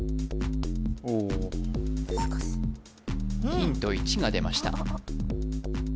ヒント１が出ました